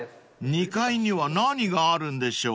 ［２階には何があるんでしょう？］